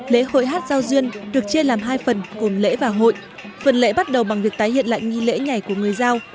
lễ hội hát giao duyên được chia làm hai phần gồm lễ và hội phần lễ bắt đầu bằng việc tái hiện lại nghi lễ nhảy của người giao